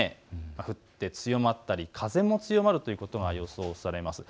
降って強まったり風も強まったりということが予想されます。